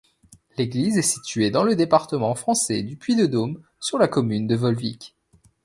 L'église est située dans le département français du Puy-de-Dôme, sur la commune de Volvic.